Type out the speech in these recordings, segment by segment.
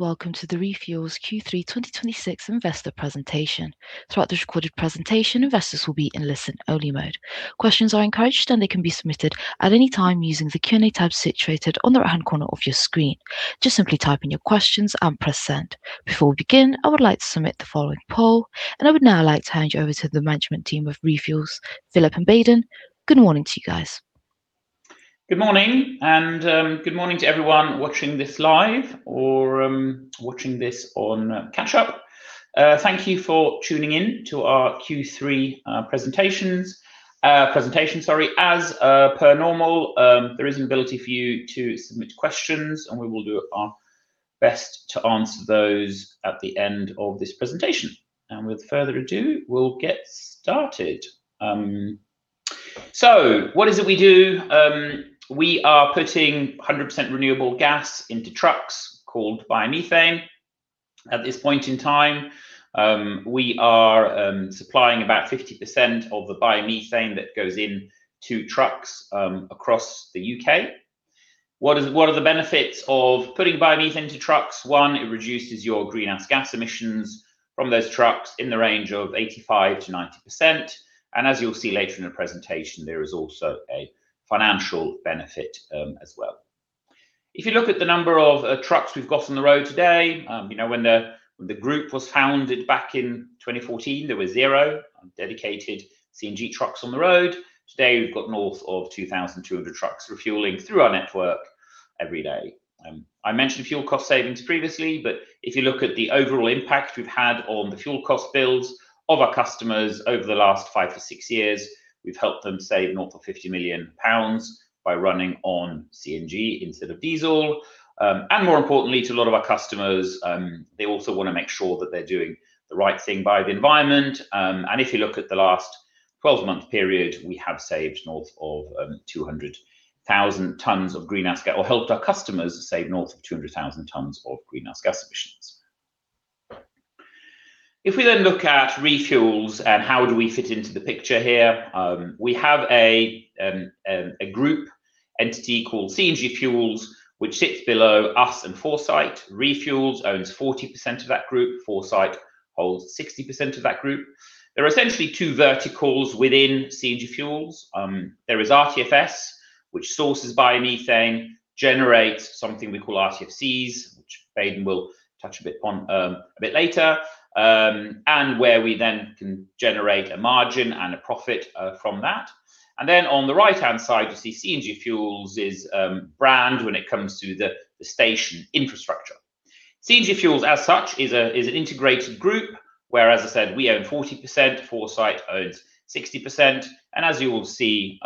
Welcome to the ReFuels Q3 2026 investor presentation. Throughout this recorded presentation, investors will be in listen-only mode. Questions are encouraged. They can be submitted at any time using the Q&A tab situated on the right-hand corner of your screen. Just simply type in your questions and press Send. Before we begin, I would like to submit the following poll. I would now like to hand you over to the management team of ReFuels, Philip and Baden. Good morning to you guys. Good morning, good morning to everyone watching this live or watching this on catch up. Thank you for tuning in to our Q3 presentation, sorry. As per normal, there is an ability for you to submit questions, we will do our best to answer those at the end of this presentation. With further ado, we'll get started. What is it we do? We are putting 100% renewable gas into trucks called biomethane. At this point in time, we are supplying about 50% of the biomethane that goes into trucks across the U.K. What are the benefits of putting biomethane into trucks? One, it reduces your greenhouse gas emissions from those trucks in the range of 85%-90%. As you'll see later in the presentation, there is also a financial benefit as well. If you look at the number of trucks we've got on the road today, you know, when the group was founded back in 2014, there were zero dedicated CNG trucks on the road. Today, we've got north of 2,200 trucks refueling through our network every day. I mentioned fuel cost savings previously, but if you look at the overall impact we've had on the fuel cost bills of our customers over the last five to six years, we've helped them save north of 50 million pounds by running on CNG instead of diesel. More importantly to a lot of our customers, they also wanna make sure that they're doing the right thing by the environment. If you look at the last 12-month period, we have saved north of 200,000 tons of greenhouse gas or helped our customers save north of 200,000 tons of greenhouse gas emissions. If we then look at ReFuels and how do we fit into the picture here, we have a group entity called CNG Fuels, which sits below us and Foresight. ReFuels owns 40% of that group, Foresight holds 60% of that group. There are essentially two verticals within CNG Fuels. There is RTFS, which sources biomethane, generates something we call RTFCs, which Baden will touch a bit on a bit later, and where we then can generate a margin and a profit from that. On the right-hand side, you see CNG Fuels is brand when it comes to the station infrastructure. CNG Fuels, as such, is an integrated group where, as I said, we own 40%, Foresight owns 60%. As you will see,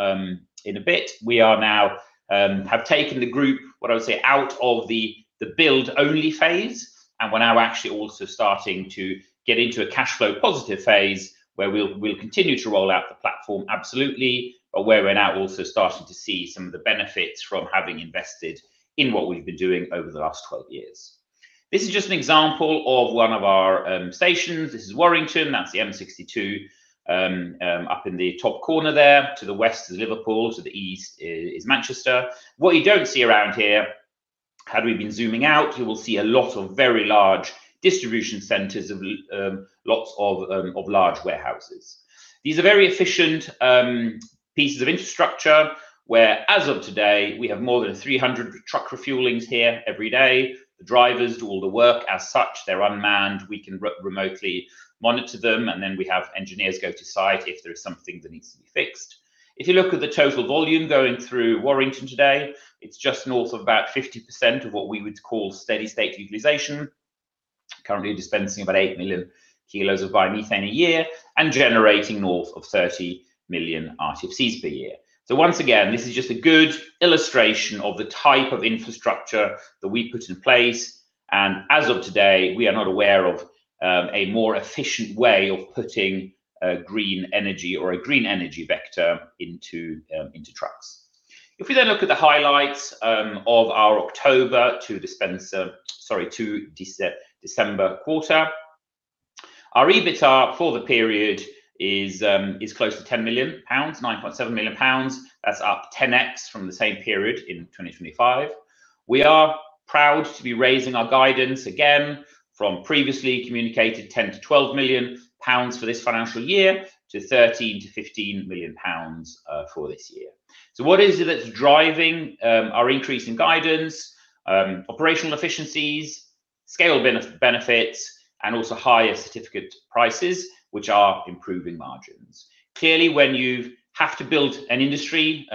in a bit, we are now have taken the group, what I would say, out of the build-only phase, and we're now actually also starting to get into a cash flow positive phase where we'll continue to roll out the platform absolutely, but where we're now also starting to see some of the benefits from having invested in what we've been doing over the last 12 years. This is just an example of one of our stations. This is Warrington. That's the M62 up in the top corner there. To the west is Liverpool, to the east is Manchester. What you don't see around here, had we been zooming out, you will see a lot of very large distribution centers of lots of of large warehouses. These are very efficient pieces of infrastructure where, as of today, we have more than 300 truck refuelings here every day. The drivers do all the work. As such, they're unmanned, we can remotely monitor them, and then we have engineers go to site if there is something that needs to be fixed. If you look at the total volume going through Warrington today, it's just north of about 50% of what we would call steady state utilization, currently dispensing about 8 million kilos of biomethane a year and generating north of 30 million RTFCs per year. Once again, this is just a good illustration of the type of infrastructure that we put in place, and as of today, we are not aware of a more efficient way of putting green energy or a green energy vector into trucks. We look at the highlights of our October to December quarter, our EBITDA for the period is close to 10 million pounds, 9.7 million pounds. That's up 10x from the same period in 2025. We are proud to be raising our guidance again from previously communicated 10 million-12 million pounds for this financial year to 13 million-15 million pounds for this year. What is it that's driving our increase in guidance? Operational efficiencies, scale benefits, and also higher certificate prices, which are improving margins. Clearly, when you have to build an industry,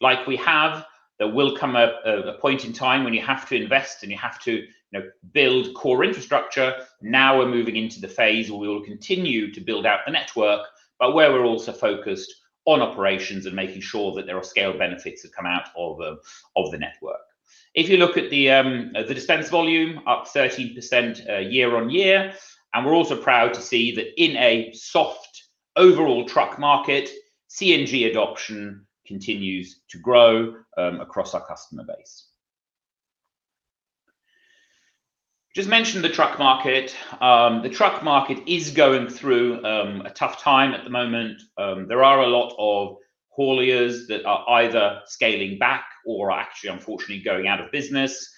like we have, there will come a point in time when you have to invest and you have to, you know, build core infrastructure. Now we're moving into the phase where we will continue to build out the network, but where we're also focused on operations and making sure that there are scale benefits that come out of the network. If you look at the dispense volume, up 30% year-over-year, and we're also proud to see that in a soft overall truck market, CNG adoption continues to grow across our customer base. Just mentioned the truck market. The truck market is going through a tough time at the moment. There are a lot of hauliers that are either scaling back or are actually unfortunately going out of business,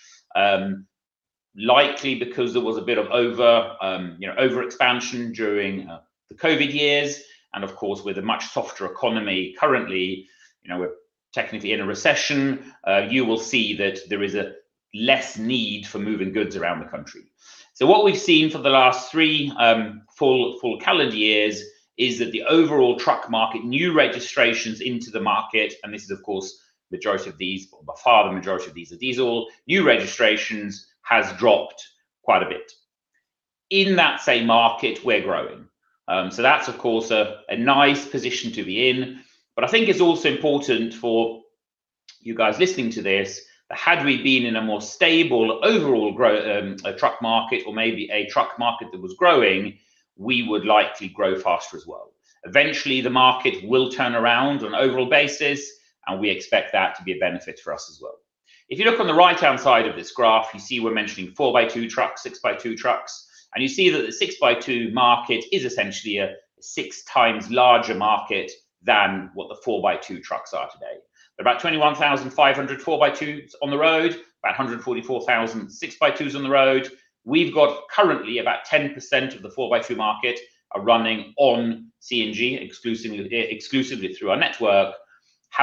likely because there was a bit of over, you know, overexpansion during the COVID years and of course with a much softer economy currently, you know, we're technically in a recession, you will see that there is a less need for moving goods around the country. What we've seen for the last three full calendar years is that the overall truck market, new registrations into the market, and this is of course majority of these, by far the majority of these are diesel, new registrations has dropped quite a bit. In that same market, we're growing. That's of course a nice position to be in. I think it's also important for you guys listening to this that had we been in a more stable overall grow truck market or maybe a truck market that was growing, we would likely grow faster as well. Eventually, the market will turn around on an overall basis, and we expect that to be a benefit for us as well. If you look on the right-hand side of this graph, you see we're mentioning four-by-two trucks, six-by-two trucks, and you see that the six-by-two market is essentially a six times larger market than what the four-by-two trucks are today. There are about 21,500 four-by-twos on the road, about 144,000 six-by-twos on the road. We've got currently about 10% of the four-by-two market are running on CNG exclusively through our network.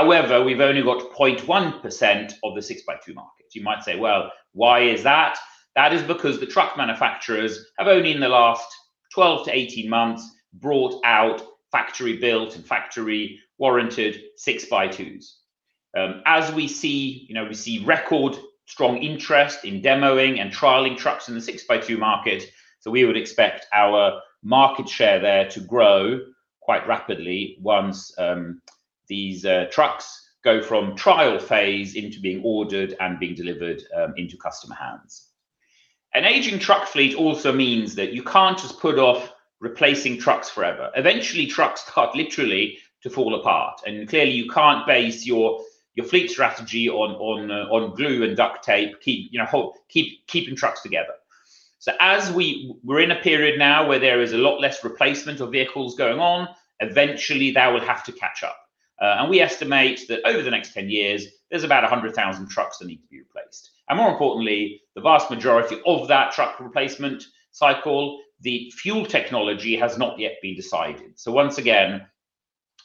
We've only got 0.1% of the six-by-two market. You might say, "Well, why is that?" That is because the truck manufacturers have only in the last 12 months-18 months brought out factory-built and factory-warranted six-by-twos. As we see, you know, we see record strong interest in demoing and trialing trucks in the six-by-two market, so we would expect our market share there to grow quite rapidly once these trucks go from trial phase into being ordered and being delivered into customer hands. An aging truck fleet also means that you can't just put off replacing trucks forever. Eventually, trucks start literally to fall apart. Clearly you can't base your fleet strategy on glue and duct tape, you know, hold, keeping trucks together. We're in a period now where there is a lot less replacement of vehicles going on. Eventually, that would have to catch up. We estimate that over the next 10 years, there's about 100,000 trucks that need to be replaced. More importantly, the vast majority of that truck replacement cycle, the fuel technology has not yet been decided. Once again,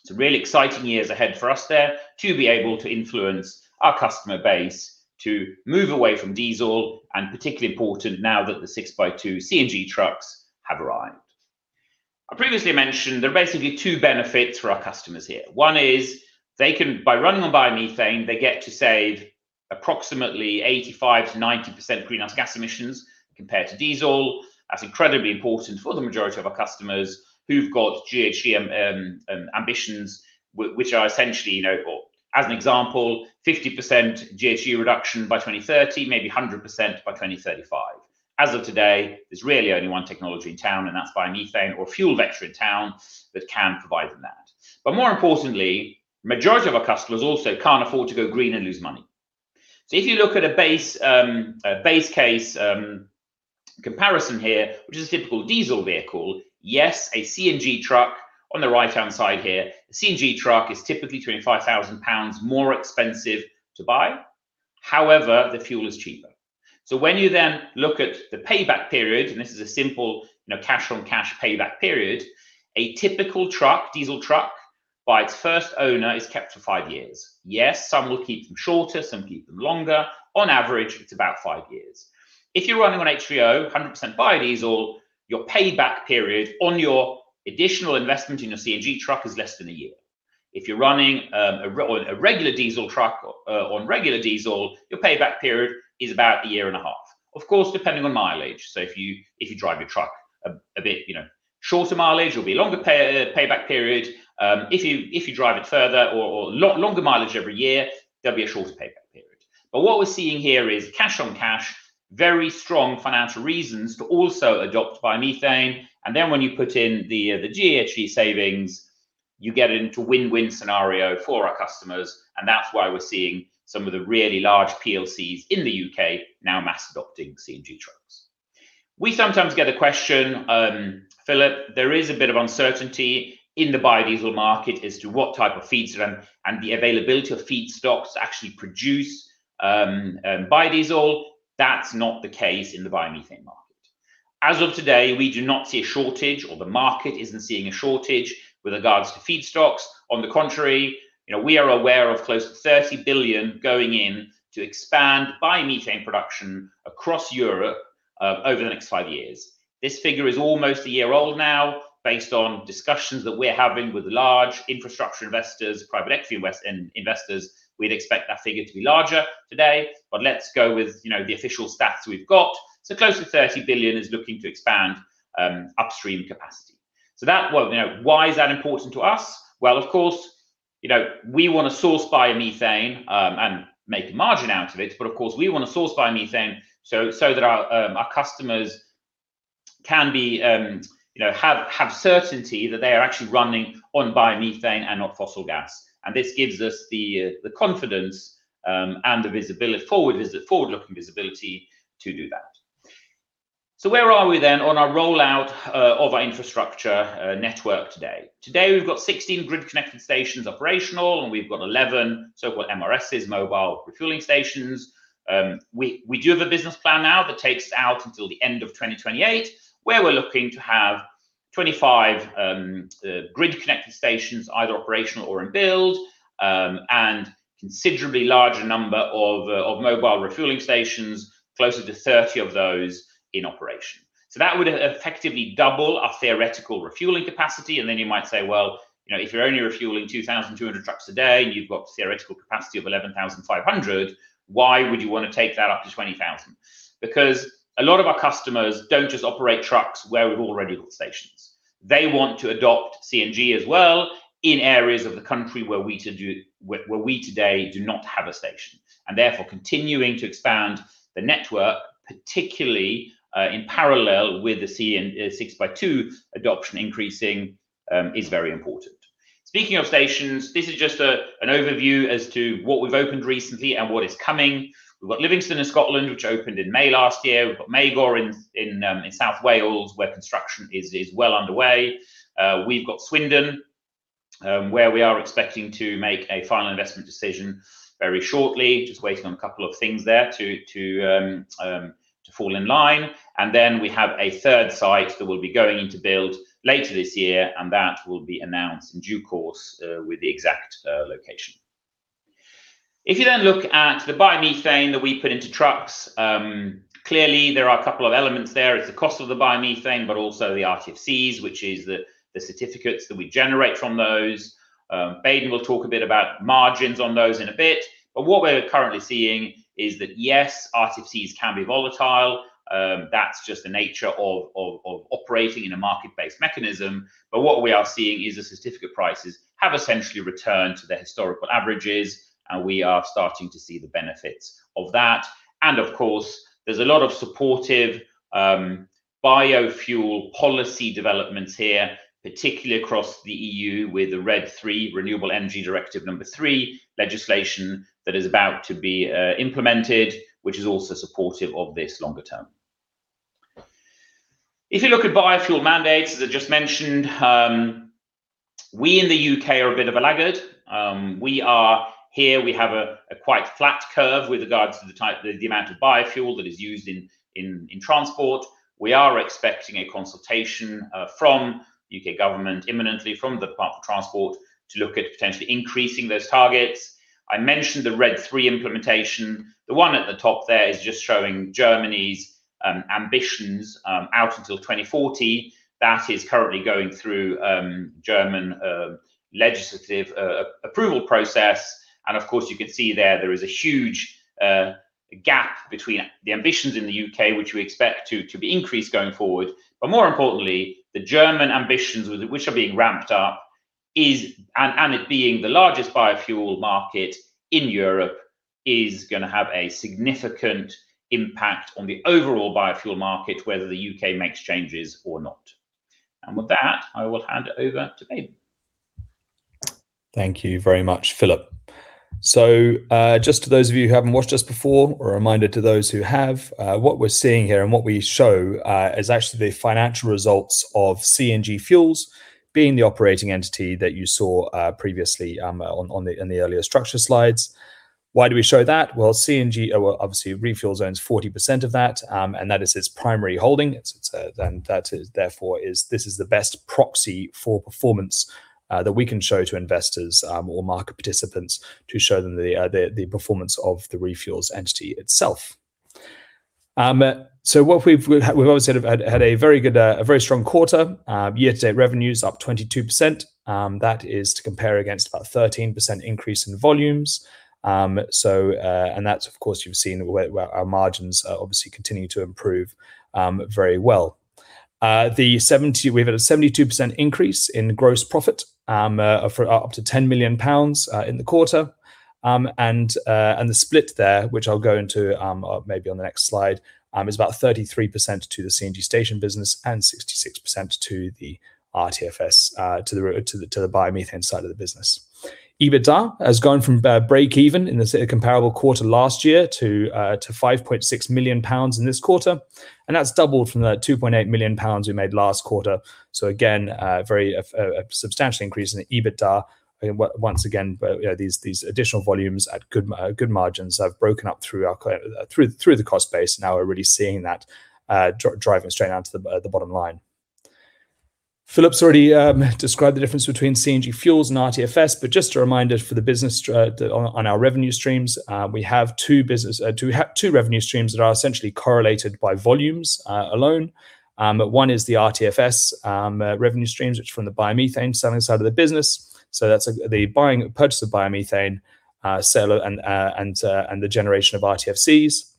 some really exciting years ahead for us there to be able to influence our customer base to move away from diesel, and particularly important now that the six-by-two CNG trucks have arrived. I previously mentioned there are basically two benefits for our customers here. One is they can, by running on biomethane, they get to save approximately 85%-90% greenhouse gas emissions compared to diesel. That's incredibly important for the majority of our customers who've got GHG ambitions which are essentially, you know, or as an example, 50% GHG reduction by 2030, maybe 100% by 2035. As of today, there's really only one technology in town, and that's biomethane or Fuel Vector in town that can provide them that. More importantly, majority of our customers also can't afford to go green and lose money. If you look at a base a base case comparison here, which is a typical diesel vehicle, yes, a CNG truck on the right-hand side here. A CNG truck is typically 25,000 pounds more expensive to buy. However, the fuel is cheaper. When you then look at the payback period, and this is a simple, you know, cash on cash payback period, a typical truck, diesel truck, by its first owner is kept for five years. Some will keep them shorter, some keep them longer. On average, it's about five years. If you're running on HVO, 100% biodiesel, your payback period on your additional investment in your CNG truck is less than one year. If you're running a regular diesel truck on regular diesel, your payback period is about 1 year and a half. Of course, depending on mileage. If you, if you drive your truck a bit, you know, shorter mileage, there'll be a longer payback period. If you, if you drive it further or longer mileage every year, there'll be a shorter payback period. What we're seeing here is cash on cash, very strong financial reasons to also adopt biomethane, and then when you put in the GHG savings, you get into win-win scenario for our customers, and that's why we're seeing some of the really large PLCs in the U.K. now mass adopting CNG trucks. We sometimes get the question, "Philip, there is a bit of uncertainty in the biodiesel market as to what type of feeds there are and the availability of feedstocks to actually produce biodiesel." That's not the case in the biomethane market. As of today, we do not see a shortage or the market isn't seeing a shortage with regards to feedstocks. On the contrary, you know, we are aware of close to 30 billion going in to expand biomethane production across Europe over the next five years. This figure is almost a year old now, based on discussions that we're having with large infrastructure investors, private equity investors. We'd expect that figure to be larger today, but let's go with, you know, the official stats we've got. Close to 30 billion is looking to expand upstream capacity. Well, you know, why is that important to us? Well, of course, you know, we wanna source biomethane and make a margin out of it, but of course, we wanna source biomethane so that our customers can be, you know, have certainty that they are actually running on biomethane and not fossil gas. This gives us the confidence and the forward-looking visibility to do that. Where are we then on our rollout of our infrastructure network today? Today we've got 16 grid connected stations operational, and we've got 11 so-called MRSs, mobile refueling stations. We do have a business plan now that takes us out until the end of 2028, where we're looking to have 25 grid connected stations, either operational or in build, and considerably larger number of mobile refueling stations, closer to 30 of those in operation. That would effectively double our theoretical refueling capacity. You might say, "Well, you know, if you're only refueling 2,200 trucks a day and you've got theoretical capacity of 11,500, why would you wanna take that up to 20,000?" A lot of our customers don't just operate trucks where we've already got stations. They want to adopt CNG as well in areas of the country where we today do not have a station, therefore continuing to expand the network, particularly in parallel with the six-by-two adoption increasing, is very important. Speaking of stations, this is just an overview as to what we've opened recently and what is coming. We've got Livingston in Scotland, which opened in May last year. We've got Magor in South Wales, where construction is well underway. We've got Swindon, where we are expecting to make a final investment decision very shortly. Just waiting on a couple of things there to fall in line. We have a third site that we'll be going into build later this year, and that will be announced in due course, with the exact location. If you look at the biomethane that we put into trucks, clearly there are a couple of elements there. It's the cost of the biomethane, but also the RTFCs, which is the certificates that we generate from those. Baden will talk a bit about margins on those in a bit. What we're currently seeing is that, yes, RTFCs can be volatile, that's just the nature of operating in a market-based mechanism. What we are seeing is the certificate prices have essentially returned to their historical averages, and we are starting to see the benefits of that. Of course, there's a lot of supportive biofuel policy developments here, particularly across the EU with the RED III, Renewable Energy Directive III, legislation that is about to be implemented, which is also supportive of this longer term. If you look at biofuel mandates, as I just mentioned, we in the U.K. are a bit of a laggard. We have a quite flat curve with regards to the amount of biofuel that is used in transport. We are expecting a consultation from U.K. government imminently, from the Department for Transport, to look at potentially increasing those targets. I mentioned the RED III implementation. The one at the top there is just showing Germany's ambitions out until 2040. That is currently going through German legislative approval process. Of course, you can see there is a huge gap between the ambitions in the U.K., which we expect to be increased going forward. More importantly, the German ambitions with it, which are being ramped up, and it being the largest biofuel market in Europe is gonna have a significant impact on the overall biofuel market, whether the U.K. makes changes or not. With that, I will hand it over to Baden. Thank you very much, Philip. Just to those of you who haven't watched us before, a reminder to those who have, what we're seeing here and what we show is actually the financial results of CNG Fuels being the operating entity that you saw previously in the earlier structure slides. Why do we show that? CNG, well, obviously ReFuels, 40% of that, and that is its primary holding. It's and that is therefore is this is the best proxy for performance that we can show to investors or market participants to show them the performance of the ReFuels entity itself. What we've obviously had a very good, a very strong quarter. Year-to-date revenues up 22%. That is to compare against about 13% increase in volumes. That's of course, you've seen where our margins are obviously continuing to improve very well. We've had a 72% increase in gross profit for up to 10 million pounds in the quarter. The split there, which I'll go into maybe on the next slide, is about 33% to the CNG station business and 66% to the RTFS, to the biomethane side of the business. EBITDA has gone from breakeven in the comparable quarter last year to 5.6 million pounds in this quarter, and that's doubled from the 2.8 million pounds we made last quarter. Again, a very, a substantial increase in the EBITDA. Once again, these additional volumes at good margins have broken up through our cost base, now we're really seeing that driving straight down to the bottom line. Philip's already described the difference between CNG Fuels and RTFS, just a reminder for the business on our revenue streams, we have two revenue streams that are essentially correlated by volumes alone. One is the RTFS revenue streams, which are from the biomethane selling side of the business. That's the purchase of biomethane, seller and the generation of RTFCs,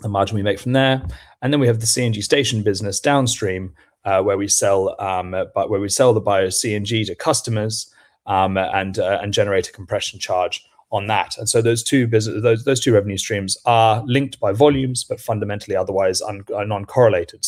the margin we make from there. We have the CNG station business downstream, where we sell the Bio-CNG to customers, and generate a compression charge on that. Those two revenue streams are linked by volumes, but fundamentally otherwise non-correlated.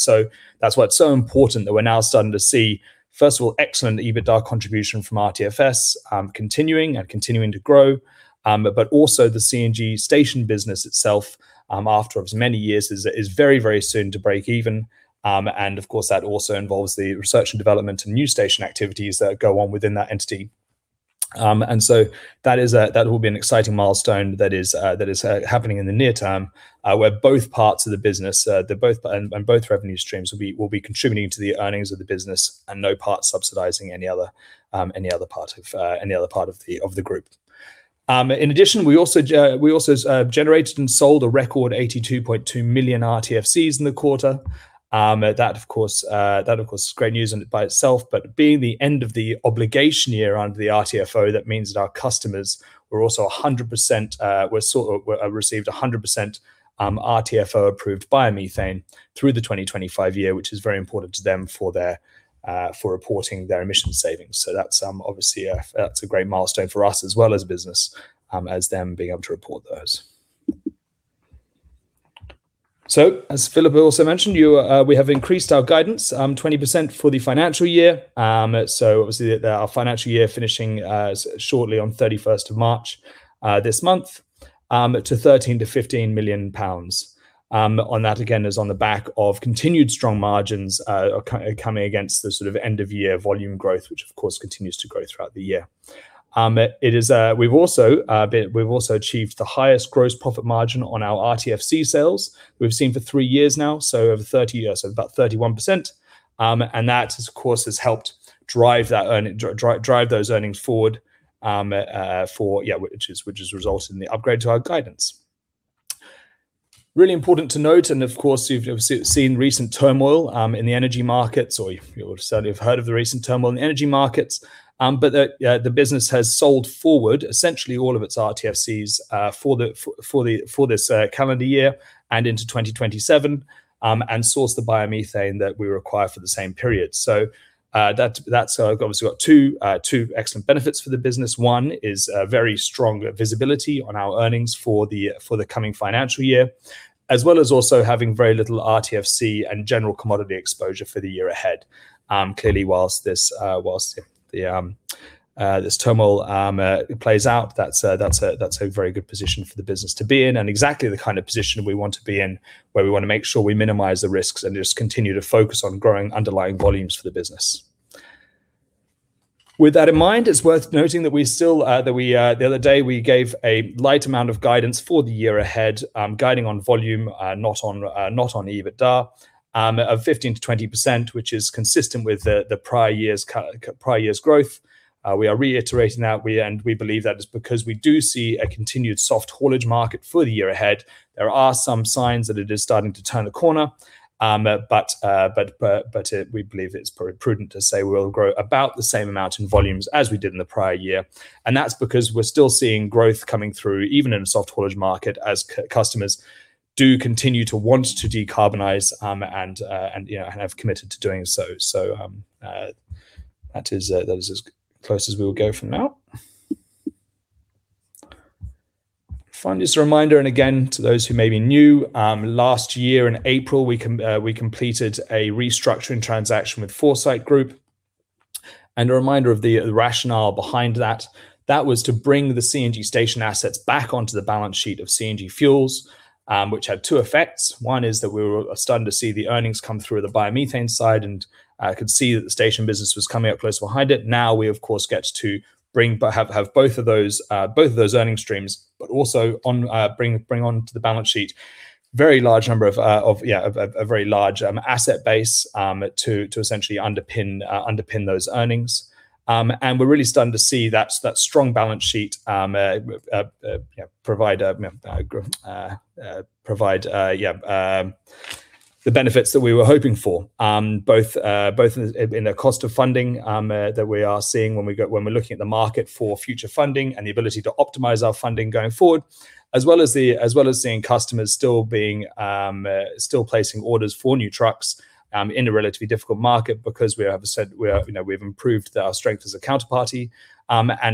That's why it's so important that we're now starting to see, first of all, excellent EBITDA contribution from RTFS, continuing to grow. Also the CNG station business itself, after as many years is very soon to break even. Of course, that also involves the research and development and new station activities that go on within that entity. That will be an exciting milestone that is happening in the near term, where both parts of the business, the both, and both revenue streams will be contributing to the earnings of the business and no part subsidizing any other part of the group. In addition, we also generated and sold a record 82.2 million RTFCs in the quarter. That of course, that of course is great news in it by itself, but being the end of the obligation year under the RTFO, that means that our customers also received a 100% RTFO approved biomethane through the 2025 year, which is very important to them for their reporting their emission savings. That's obviously that's a great milestone for us as well as business as them being able to report those. As Philip also mentioned, we have increased our guidance 20% for the financial year. Obviously our financial year finishing shortly on 31st of March this month, to 13 million-15 million pounds. On that again is on the back of continued strong margins, coming against the sort of end of year volume growth, which of course continues to grow throughout the year. It is. We've also achieved the highest gross profit margin on our RTFC sales we've seen for three years now, so over 30 years, so about 31%. That of course has helped drive that earning, drive those earnings forward, for yeah, which has resulted in the upgrade to our guidance. Really important to note. Of course, you've seen recent turmoil in the energy markets, or you would certainly have heard of the recent turmoil in energy markets. The business has sold forward essentially all of its RTFCs for this calendar year and into 2027 and sourced the biomethane that we require for the same period. That's obviously got two excellent benefits for the business. One is very strong visibility on our earnings for the coming financial year, as well as also having very little RTFC and general commodity exposure for the year ahead. Clearly, whilst this whilst the this turmoil plays out, that's a very good position for the business to be in and exactly the kind of position we want to be in, where we wanna make sure we minimize the risks and just continue to focus on growing underlying volumes for the business. With that in mind, it's worth noting that we still, that we, the other day we gave a light amount of guidance for the year ahead, guiding on volume, not on, not on EBITDA, of 15%-20%, which is consistent with the prior year's growth. We are reiterating that we, and we believe that is because we do see a continued soft haulage market for the year ahead. There are some signs that it is starting to turn a corner. We believe it's probably prudent to say we'll grow about the same amount in volumes as we did in the prior year. That's because we're still seeing growth coming through, even in a soft haulage market, as customers do continue to want to decarbonize, and you know, and have committed to doing so. That is as close as we'll go for now. Finally, just a reminder, and again to those who may be new, last year in April, we completed a restructuring transaction with Foresight Group. A reminder of the rationale behind that was to bring the CNG station assets back onto the balance sheet of CNG Fuels, which had two effects. One is that we were starting to see the earnings come through the biomethane side, and could see that the station business was coming up close behind it. We of course get to bring, but have both of those, both of those earnings streams, but also on, bring onto the balance sheet very large number of, yeah, a very large asset base, to essentially underpin those earnings. We're really starting to see that strong balance sheet, you know, provide, yeah, the benefits that we were hoping for, both in the cost of funding that we are seeing when we're looking at the market for future funding and the ability to optimize our funding going forward, as well as seeing customers still being, still placing orders for new trucks in a relatively difficult market because we have said, you know, we've improved our strength as a counterparty.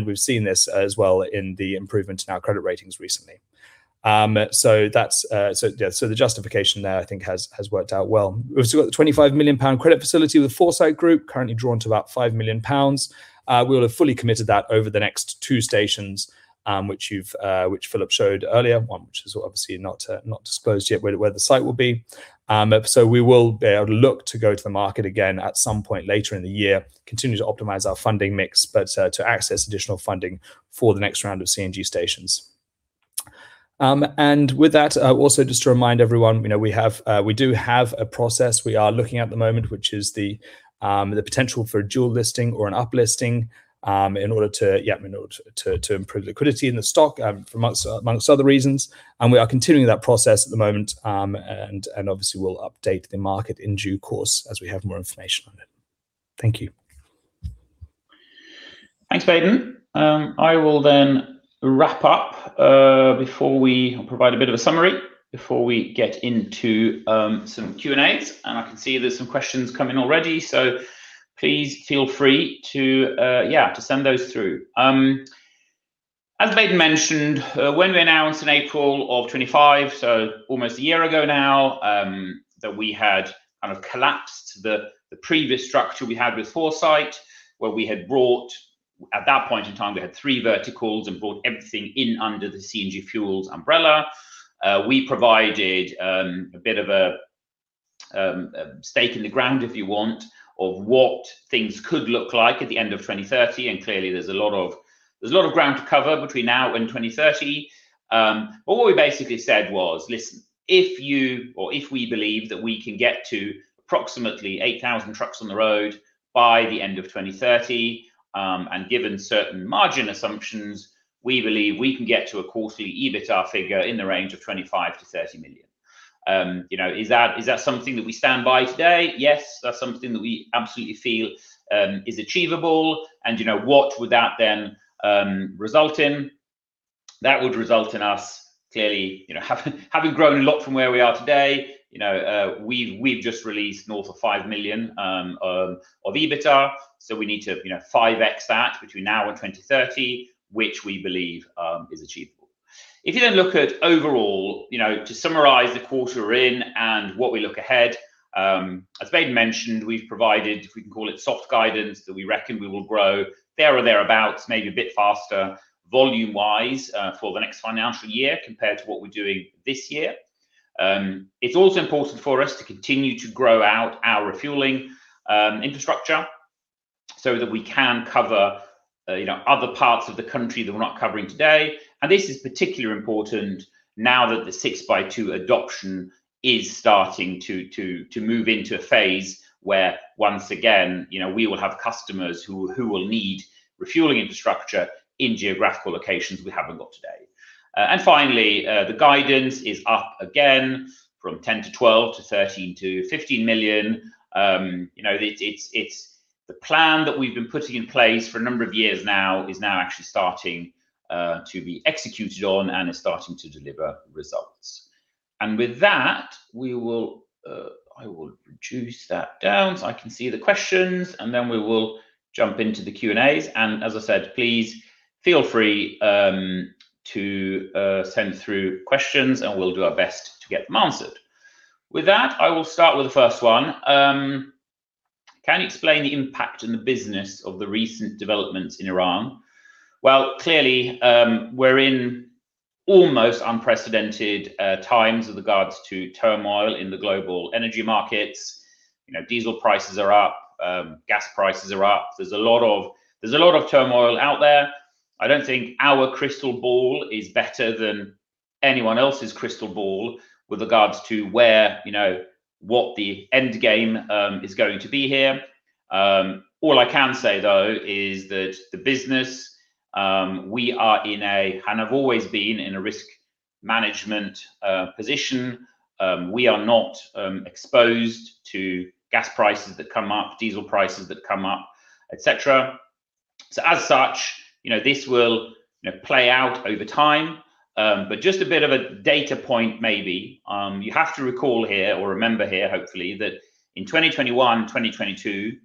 We've seen this as well in the improvement in our credit ratings recently. That's, so yeah, so the justification there I think has worked out well. We've also got the 25 million pound credit facility with Foresight Group currently drawn to about 5 million pounds. We'll have fully committed that over the next two stations, which you've, which Philip showed earlier, one which is obviously not disclosed yet where the site will be. We will be able to look to go to the market again at some point later in the year, continue to optimize our funding mix, but, to access additional funding for the next round of CNG stations. With that, also just to remind everyone, you know, we have, we do have a process we are looking at the moment, which is the potential for a dual listing or an uplisting, in order to improve liquidity in the stock, amongst other reasons. We are continuing that process at the moment. Obviously, we'll update the market in due course as we have more information on it. Thank you. Thanks, Baden. I will wrap up before we provide a bit of a summary before we get into some Q&As. I can see there's some questions coming already, please feel free to send those through. As Baden mentioned, when we announced in April of 2025, so almost a year ago now, that we had kind of collapsed the previous structure we had with Foresight, where we had brought, at that point in time, we had three verticals and brought everything in under the CNG Fuels umbrella. We provided a bit of a stake in the ground, if you want, of what things could look like at the end of 2030. Clearly there's a lot of ground to cover between now and 2030. What we basically said was, "Listen, if you or if we believe that we can get to approximately 8,000 trucks on the road by the end of 2030, and given certain margin assumptions, we believe we can get to a quarterly EBITDA figure in the range of 25 million-30 million." You know, is that something that we stand by today? Yes, that's something that we absolutely feel, is achievable and, you know, what would that then, result in? That would result in us clearly, you know, having grown a lot from where we are today. You know, we've just released north of 5 million of EBITDA, so we need to, you know, 5x that between now and 2030, which we believe, is achievable. If you then look at overall, you know, to summarize the quarter in and what we look ahead, as Baden mentioned, we've provided, if we can call it soft guidance, that we reckon we will grow there or thereabouts, maybe a bit faster volume-wise, for the next financial year compared to what we're doing this year. It's also important for us to continue to grow out our refueling infrastructure so that we can cover, you know, other parts of the country that we're not covering today. This is particularly important now that the six-by-two adoption is starting to move into a phase where once again, you know, we will have customers who will need refueling infrastructure in geographical locations we haven't got today. Finally, the guidance is up again from 10 million-12 million to 13 million-15 million. You know, it's the plan that we've been putting in place for a number of years now is now actually starting to be executed on and is starting to deliver results. With that, I will reduce that down so I can see the questions, then we will jump into the Q&As. As I said, please feel free to send through questions, and we'll do our best to get them answered. With that, I will start with the 1st one. Can you explain the impact on the business of the recent developments in Iran? Well, clearly, we're in almost unprecedented times with regards to turmoil in the global energy markets. You know, diesel prices are up, gas prices are up. There's a lot of turmoil out there. I don't think our crystal ball is better than anyone else's crystal ball with regards to where, you know, what the end game is going to be here. All I can say though is that the business, we are in a, and have always been, in a risk management position. We are not exposed to gas prices that come up, diesel prices that come up, et cetera. As such, you know, this will, you know, play out over time. Just a bit of a data point maybe, you have to recall here or remember here, hopefully, that in 2021, 2022,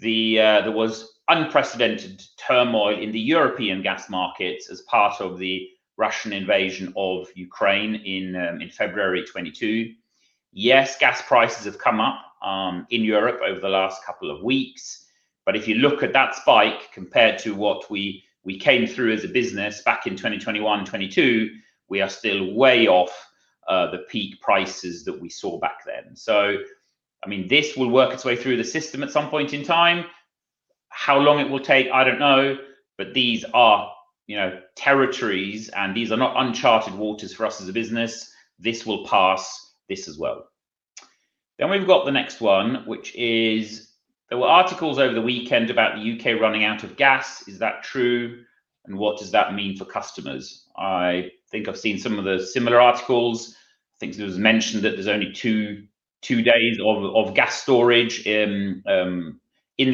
there was unprecedented turmoil in the European gas markets as part of the Russian invasion of Ukraine in February 2022. Yes, gas prices have come up in Europe over the last couple of weeks. If you look at that spike compared to what we came through as a business back in 2021, 2022, we are still way off the peak prices that we saw back then. I mean, this will work its way through the system at some point in time. How long it will take, I don't know. These are, you know, territories and these are not uncharted waters for us as a business. This will pass. This as well. We've got the next one, which is, there were articles over the weekend about the U.K. running out of gas. Is that true? What does that mean for customers? I think I've seen some of the similar articles. I think it was mentioned that there's only two days of gas storage in the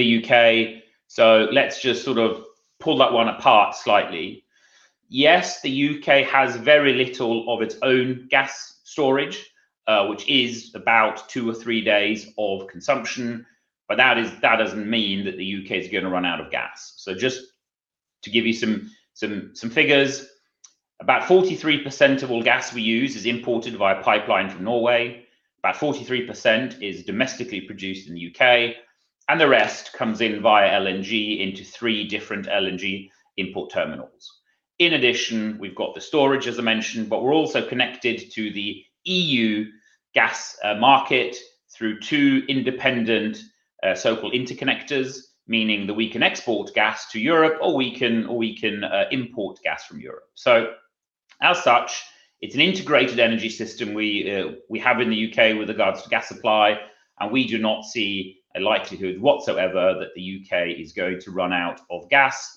U.K. Let's just sort of pull that one apart slightly. Yes, the U.K. has very little of its own gas storage, which is about two or three days of consumption, but that doesn't mean that the U.K. is going to run out of gas. Just to give you some figures, about 43% of all gas we use is imported via pipeline from Norway, about 43% is domestically produced in the U.K., and the rest comes in via LNG into three different LNG import terminals. In addition, we've got the storage, as I mentioned, but we're also connected to the EU gas market through two independent, so-called interconnectors, meaning that we can export gas to Europe or we can import gas from Europe. As such, it's an integrated energy system we have in the U.K. with regards to gas supply, and we do not see a likelihood whatsoever that the U.K. is going to run out of gas.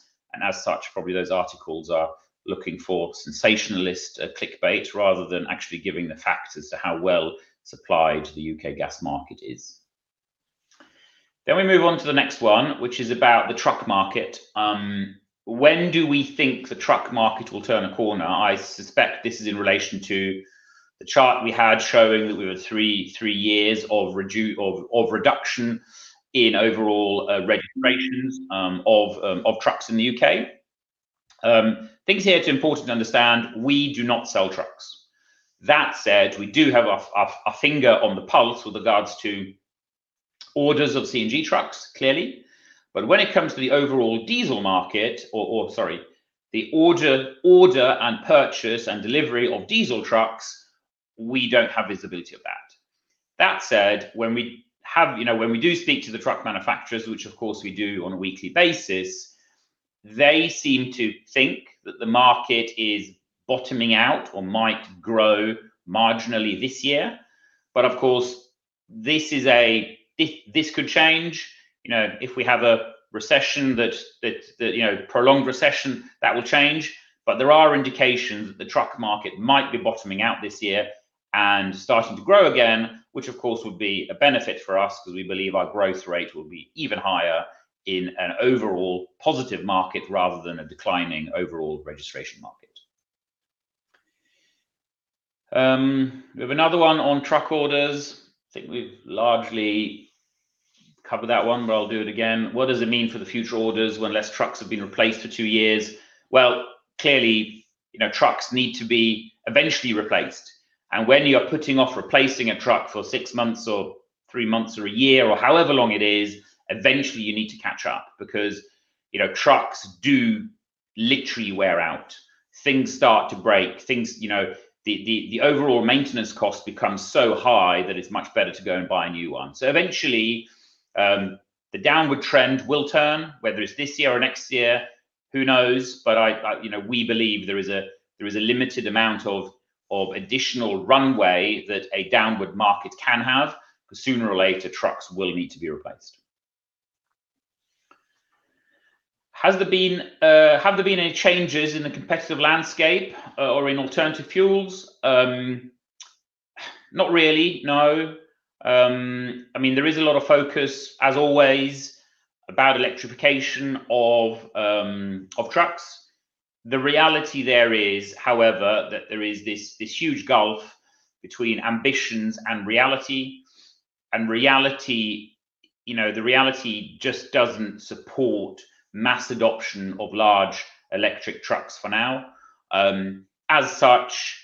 As such, probably those articles are looking for sensationalist clickbait rather than actually giving the facts as to how well supplied the U.K. gas market is. We move on to the next one, which is about the truck market. When do we think the truck market will turn a corner? I suspect this is in relation to the chart we had showing that we were three years of reduction in overall registrations of trucks in the U.K. I think here it's important to understand we do not sell trucks. That said, we do have a finger on the pulse with regards to orders of CNG trucks, clearly. When it comes to the overall diesel market or. Sorry, the order and purchase and delivery of diesel trucks, we don't have visibility of that. That said, when we you know, when we do speak to the truck manufacturers, which of course we do on a weekly basis, they seem to think that the market is bottoming out or might grow marginally this year. Of course, this could change. You know, if we have a recession that prolonged recession, that will change. There are indications that the truck market might be bottoming out this year and starting to grow again, which of course would be a benefit for us because we believe our growth rate will be even higher in an overall positive market rather than a declining overall registration market. We have another one on truck orders. I think we've largely covered that one, but I'll do it again. What does it mean for the future orders when less trucks have been replaced for two years? Well, clearly, you know, trucks need to be eventually replaced, and when you're putting off replacing a truck for six months or three months or one year or however long it is, eventually you need to catch up because, you know, trucks do literally wear out. Things start to break. Things, you know, the overall maintenance cost becomes so high that it's much better to go and buy a new one. Eventually, the downward trend will turn, whether it's this year or next year, who knows? I, you know, we believe there is a limited amount of additional runway that a downward market can have, because sooner or later trucks will need to be replaced. Has there been any changes in the competitive landscape or in alternative fuels? Not really, no. I mean, there is a lot of focus, as always, about electrification of trucks. The reality there is, however, that there is this huge gulf between ambitions and reality. Reality, you know, the reality just doesn't support mass adoption of large electric trucks for now. As such,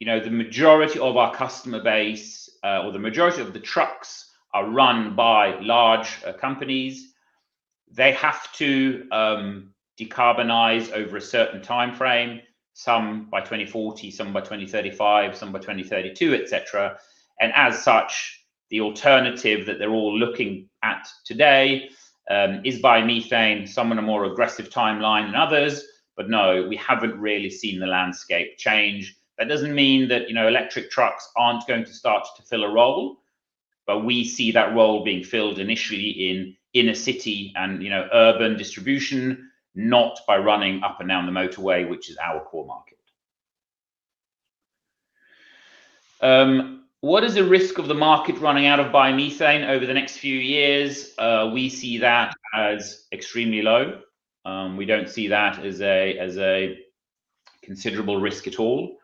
you know, the majority of our customer base, or the majority of the trucks are run by large companies. They have to decarbonize over a certain time frame, some by 2040, some by 2035, some by 2032, et cetera. As such, the alternative that they're all looking at today is biomethane, some on a more aggressive timeline than others. No, we haven't really seen the landscape change. That doesn't mean that, you know, electric trucks aren't going to start to fill a role. We see that role being filled initially in inner city and, you know, urban distribution, not by running up and down the motorway, which is our core market. What is the risk of the market running out of biomethane over the next few years? We see that as extremely low. We don't see that as a considerable risk at all.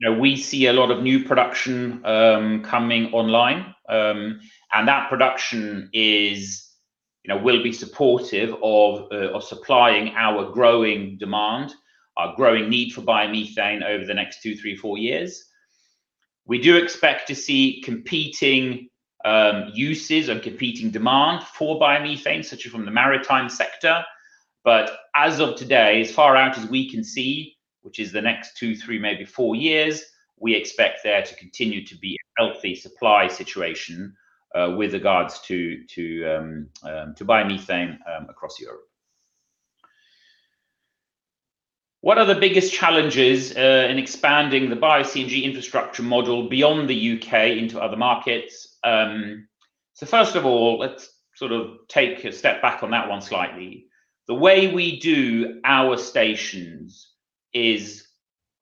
You know, we see a lot of new production coming online, and that production is, you know, will be supportive of supplying our growing demand, our growing need for biomethane over the next two years, three years, four years. We do expect to see competing uses or competing demand for biomethane, such as from the maritime sector. As of today, as far out as we can see, which is the next two years, three years, maybe four years, we expect there to continue to be a healthy supply situation with regards to biomethane across Europe. What are the biggest challenges in expanding the Bio-CNG infrastructure model beyond the U.K. into other markets? First of all, let's sort of take a step back on that one slightly. The way we do our stations is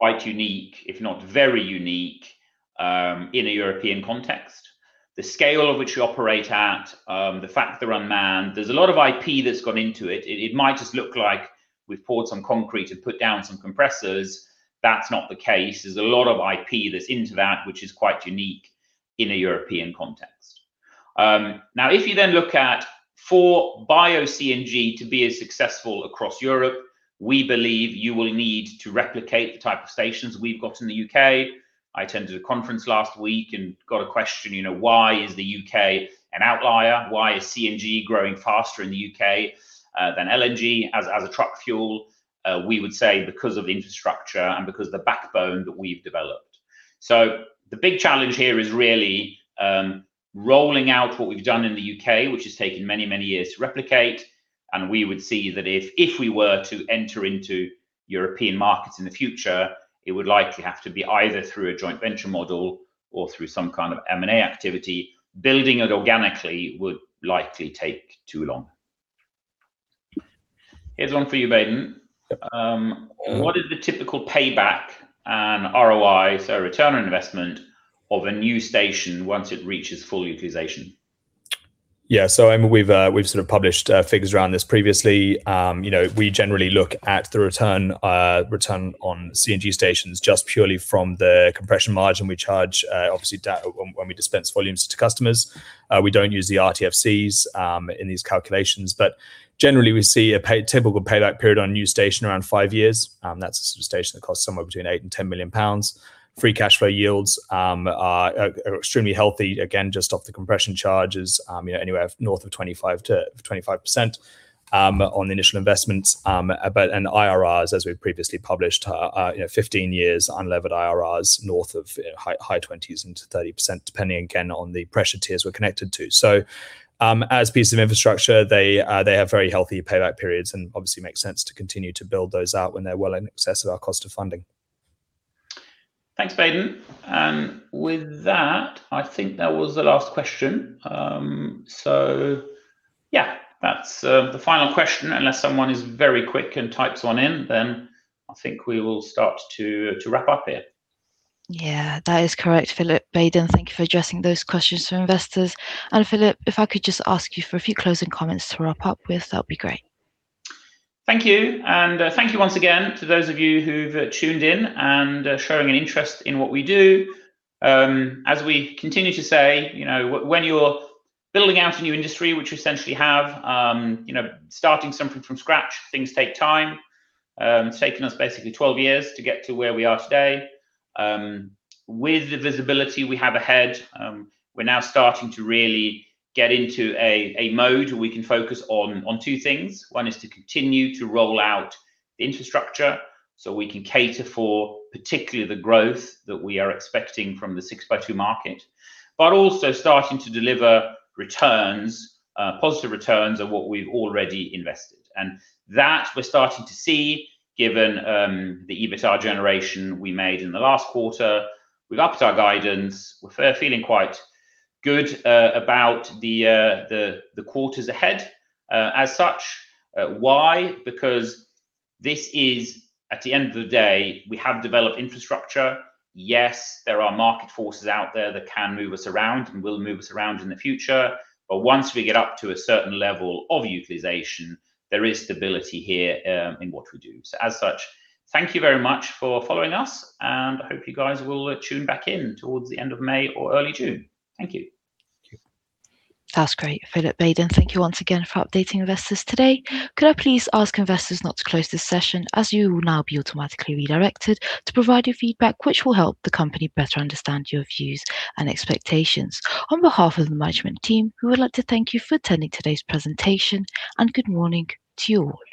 quite unique, if not very unique, in a European context, the scale of which we operate at, the fact they're unmanned. There's a lot of IP that's gone into it. It might just look like we've poured some concrete and put down some compressors. That's not the case. There's a lot of IP that's into that, which is quite unique in a European context. If you then look at for Bio-CNG to be as successful across Europe, we believe you will need to replicate the type of stations we've got in the U.K. I attended a conference last week and got a question, you know, why is the U.K. an outlier? Why is CNG growing faster in the U.K. than LNG as a truck fuel? We would say because of infrastructure and because of the backbone that we've developed. The big challenge here is really rolling out what we've done in the U.K., which has taken many, many years to replicate. We would see that if we were to enter into European markets in the future, it would likely have to be either through a joint venture model or through some kind of M&A activity. Building it organically would likely take too long. Here's one for you, Baden. Yep. What is the typical payback and ROI, so return on investment, of a new station once it reaches full utilization? I mean, we've sort of published figures around this previously. You know, we generally look at the return on CNG stations just purely from the compression margin we charge, obviously when we dispense volumes to customers. We don't use the RTFCs in these calculations, but generally, we see a typical payback period on a new station around five years. That's a sort of station that costs somewhere between 8 million-10 million pounds. Free cash flow yields are extremely healthy, again, just off the compression charges, you know, anywhere north of 25%-25% on the initial investments. IRRs, as we've previously published, you know, 15 years unlevered IRRs north of high 20s into 30%, depending again on the pressure tiers we're connected to. As pieces of infrastructure, they have very healthy payback periods and obviously makes sense to continue to build those out when they're well in excess of our cost of funding. Thanks, Baden. With that, I think that was the last question. Yeah. That's the final question, unless someone is very quick and types one in, then I think we will start to wrap up here. Yeah, that is correct, Philip. Bayden, thank you for addressing those questions from investors. Philip, if I could just ask you for a few closing comments to wrap up with, that'd be great. Thank you. Thank you once again to those of you who've tuned in and are showing an interest in what we do. As we continue to say, you know, when you're building out a new industry, which we essentially have, you know, starting something from scratch, things take time. It's taken us basically 12 years to get to where we are today. With the visibility we have ahead, we're now starting to really get into a mode where we can focus on two things. One is to continue to roll out the infrastructure so we can cater for particularly the growth that we are expecting from the six-by-two market. Also starting to deliver returns, positive returns on what we've already invested. That we're starting to see given the EBITDA generation we made in the last quarter. We've upped our guidance. We're feeling quite good about the quarters ahead as such. Why? Because this is, at the end of the day, we have developed infrastructure. Yes, there are market forces out there that can move us around and will move us around in the future. Once we get up to a certain level of utilization, there is stability here in what we do. As such, thank you very much for following us, and I hope you guys will tune back in towards the end of May or early June. Thank you. That's great. Philip, Baden, thank you once again for updating investors today. Could I please ask investors not to close this session, as you will now be automatically redirected to provide your feedback, which will help the company better understand your views and expectations. On behalf of the management team, we would like to thank you for attending today's presentation. Good morning to you all.